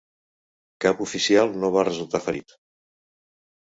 Cap oficial no va resultar ferit.